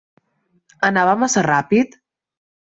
Anava massa ràpid?